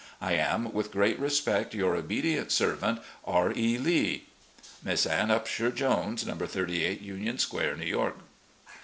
I am, with great respect, "Your obedient servant, "R. E. Lee. "Miss Ann Upshur Jones, "No. 38 Union Square, New York."